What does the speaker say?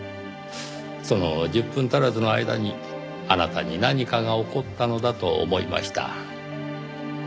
その１０分足らずの間にあなたに何かが起こったのだと思いました。